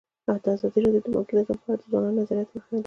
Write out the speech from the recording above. ازادي راډیو د بانکي نظام په اړه د ځوانانو نظریات وړاندې کړي.